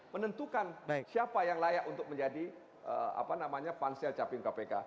menentukan siapa yang layak untuk menjadi pansel capim kpk